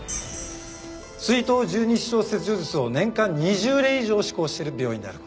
膵頭十二指腸切除術を年間２０例以上施行している病院である事。